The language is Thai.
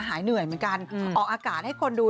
หายเหนื่อยเหมือนกันออกอากาศให้คนดู